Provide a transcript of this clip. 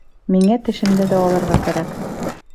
Миңә тешемде дауаларға кәрәк